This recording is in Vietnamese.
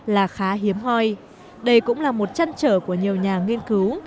là khá hiếm hoi đây cũng là một trăn trở của nhiều nhà nghiên cứu